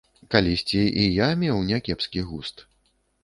Калісьці і я меў някепскі густ.